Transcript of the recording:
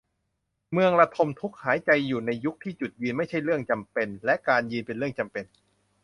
เมืองระทมทุกข์ : หายใจอยู่ในยุคที่ จุดยืนไม่ใช่เรื่องจำเป็น และ การยืนเป็นเรื่องจำเป็น